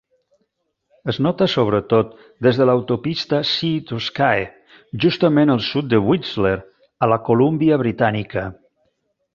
Es nota sobretot des de l'autopista Sea-to-Sky, justament al sud de Whistler, a la Colúmbia Britànica.